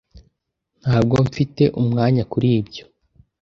ntabwo mfite umwanya kuribyo